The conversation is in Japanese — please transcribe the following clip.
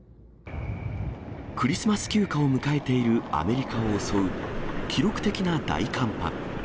クリスマス休暇を迎えているアメリカを襲う記録的な大寒波。